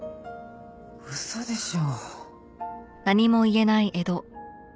嘘でしょ。